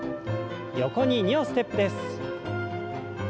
横に２歩ステップです。